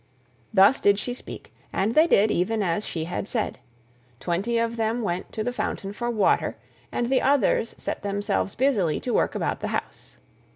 Thus did she speak, and they did even as she had said: twenty of them went to the fountain for water, and the others set themselves busily to work about the house.